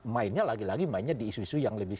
mainnya lagi lagi mainnya di isu isu yang lebih